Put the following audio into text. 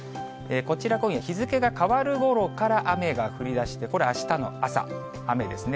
こちら、今夜日付が変わるころから雨が降りだして、これ、あしたの朝、雨ですね。